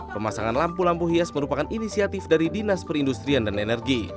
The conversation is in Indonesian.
pemasangan lampu lampu hias merupakan inisiatif dari dinas perindustrian